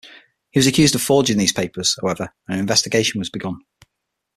He was accused of forging these papers, however, and an investigation was begun.